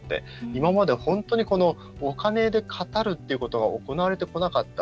今まで本当にお金で語るということが行われてこなかった。